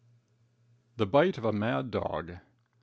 The Bite of a Mad Dog.